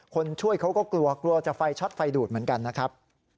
คนช่วยเขาก็กลัวกลัวจะไฟช็อตไฟดูดเหมือนกันนะครับ